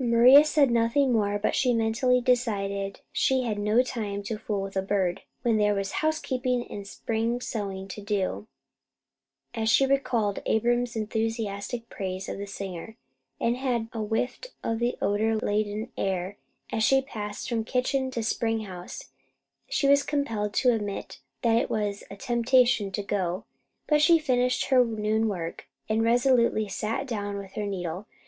Maria said nothing more; but she mentally decided she had no time to fool with a bird, when there were housekeeping and spring sewing to do. As she recalled Abram's enthusiastic praise of the singer, and had a whiff of the odour laden air as she passed from kitchen to spring house, she was compelled to admit that it was a temptation to go; but she finished her noon work and resolutely sat down with her needle.